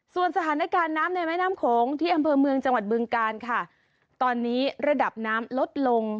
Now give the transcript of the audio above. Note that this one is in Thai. ส่วนสถานการณ์น้ำในแม่น้ำโขงที่อำเภอเมืองจังหวัดบึงกาลค่ะตอนนี้ระดับน้ำลดลง